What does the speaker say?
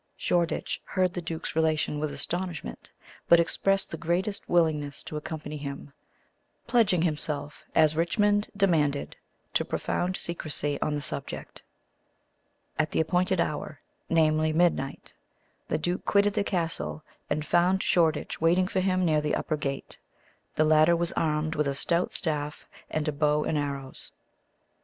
Shoreditch heard the duke's relation with astonishment, but expressed the greatest willingness to accompany him, pledging himself, as Richmond demanded, to profound secrecy on the subject. At the appointed hour namely, midnight the duke quitted the castle, and found Shoreditch waiting for him near the upper gate. The latter was armed with a stout staff, and a bow and arrows.